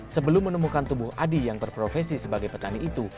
sebelum menemukan tubuh adi yang berprofesi sebagai petani itu